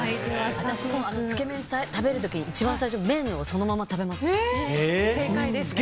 私もつけ麺食べる時一番最初、麺をそのまま食べます。